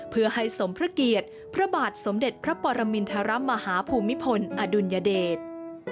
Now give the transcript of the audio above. เพื่อให้สมพระเกียรติพระบาทสมเด็จพระปรมินทรมาฮาภูมิพลอดุลยเดช